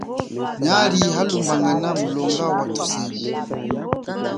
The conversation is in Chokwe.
Nyali halumbangana mulonga wathusendo.